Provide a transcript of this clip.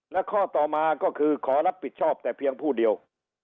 และข้อต่อมาก็คือขอรับผิดชอบแต่เพียงผู้เดียว